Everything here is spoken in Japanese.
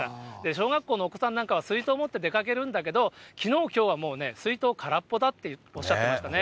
小学校のお子さんなんかは、水筒持って出かけるんだけど、きのう、きょうは、もうね、水筒空っぽだっておっしゃってましたね。